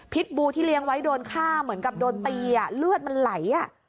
บูที่เลี้ยงไว้โดนฆ่าเหมือนกับโดนตีเลือดมันไหล